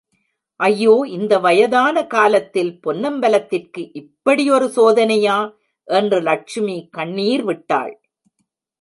ஐயோ இந்த வயதான காலத்தில் பொன்னம்பலத்திற்கு இப்படியொரு சோதனையா? என்று லட்சுமி கண்ணீர் விட்டாள்.